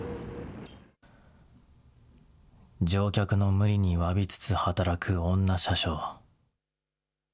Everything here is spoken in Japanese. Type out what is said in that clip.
乗客の無理に詫びつつ、働く女車掌。